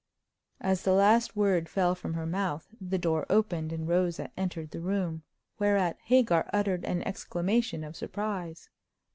As the last word fell from her mouth the door opened, and Rosa entered the room, whereat Hagar uttered an exclamation of surprise.